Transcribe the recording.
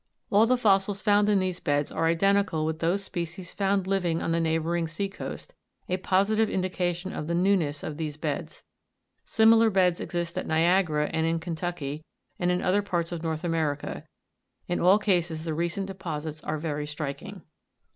All the fossils found in these beds are identical with those species found living on the neighbouring sea coast, a positive indication of the newness of these beds. Similar beds exist at Niagara and in Kentucky, and in other parts of North America ; in all cases the recent deposits are very striking.